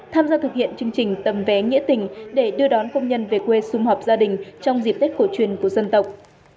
tham gia thực hiện chương trình tầm vé nghĩa tình để đưa đón công nhân về quê xung hợp gia đình trong dịp tết cổ truyền của dân tộc